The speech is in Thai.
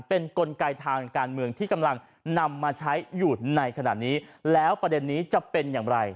เป็นกลไกทางการเมืองที่กำลังนำมาใช้อยู่ในขณะนี้แล้วประเด็นนี้จะเป็นอย่างไร